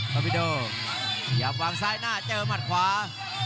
อบิโดพยายามวางซ้ายหน้าเจอหมัดขวา